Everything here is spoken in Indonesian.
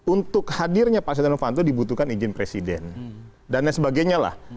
untuk hadirnya pak setia novanto dibutuhkan izin presiden dan lain sebagainya lah